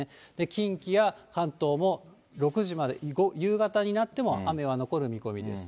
近畿や関東も６時まで、夕方になっても雨は残る見込みです。